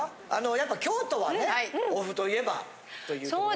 やっぱ京都はねお麩と言えばというとこがあると。